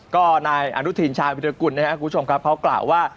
ก็นายอนุทินชายวิรกุลนะครับคุณผู้ชมครับเขากล่าวว่า